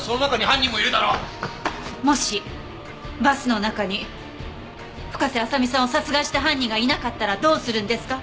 もしバスの中に深瀬麻未さんを殺害した犯人がいなかったらどうするんですか？